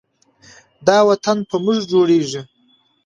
دا وطن په موږ جوړیږي.